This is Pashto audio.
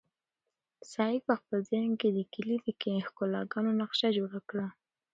سعید په خپل ذهن کې د کلي د ښکلاګانو نقشه جوړه کړه.